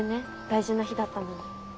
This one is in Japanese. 大事な日だったのに。